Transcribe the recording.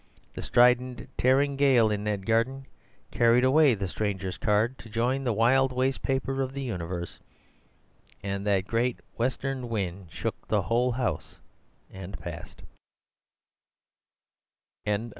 The strident, tearing gale in that garden carried away the stranger's card to join the wild waste paper of the universe; and that great western wind shook the whole house and passed.